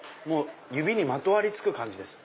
指にまとわりつく感じです。